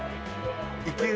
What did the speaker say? いける？